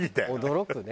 驚くね。